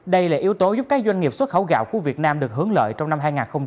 đây là yếu tố giúp các doanh nghiệp xuất khẩu gạo của việt nam được hướng lợi trong năm hai nghìn hai mươi